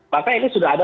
maka ini sudah ada